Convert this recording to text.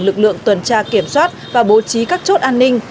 lực lượng tuần tra kiểm soát và bố trí các chốt an ninh